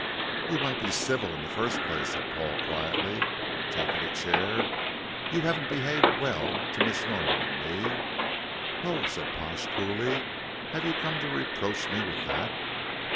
"You might be civil in the first place," said Paul quietly, taking a chair. "You haven't behaved over well to Miss Norman and me." "Oh," said Pash, coolly, "have you come to reproach me with that?"